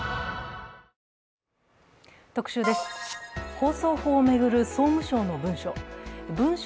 放送法を巡る法務省の文書。